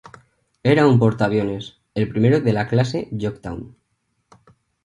Era un portaaviones, el primero de la clase Yorktown.